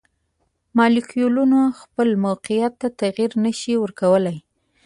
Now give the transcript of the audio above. مالیکولونه خپل موقیعت ته تغیر نشي ورکولی.